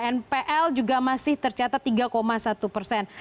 dan pl juga masih tercatat tiga satu persen